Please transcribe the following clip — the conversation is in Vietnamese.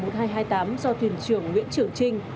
do thuyền trưởng nguyễn trưởng trinh